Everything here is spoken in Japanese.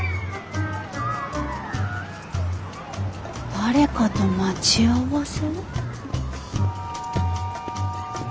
誰かと待ち合わせ？